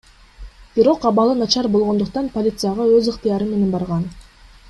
Бирок абалы начар болгондуктан полицияга өз ыктыяры менен барган.